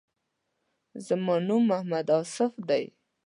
زما نوم محمد آصف دی.